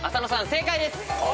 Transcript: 正解です。